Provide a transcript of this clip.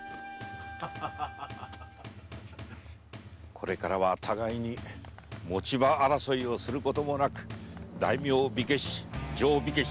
これからは互いに持ち場争いをすることもなく大名火消し定火消し